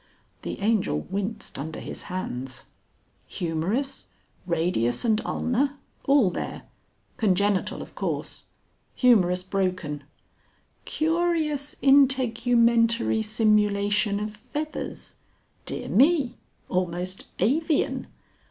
The angel winced under his hands. "Humerus. Radius and Ulna. All there. Congenital, of course. Humerus broken. Curious integumentary simulation of feathers. Dear me. Almost avian.